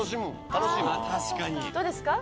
どうですか？